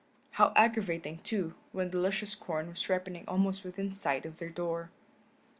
How aggravating, too, when the luscious corn was ripening almost within sight of their door.